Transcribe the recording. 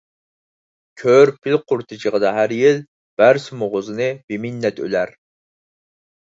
كۆر پىلە قۇرۇتى چېغىدا ھەر يىل، بەرسىمۇ غوزىنى بىمىننەت ئۆلەر.